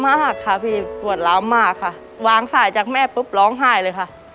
มากค่ะพี่ปวดล้าวมากค่ะวางสายจากแม่ปุ๊บร้องไห้เลยค่ะ